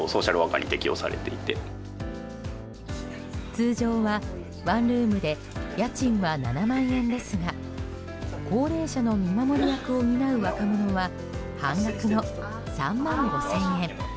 通常はワンルームで家賃は７万円ですが高齢者の見守り役を担う若者は半額の３万５０００円。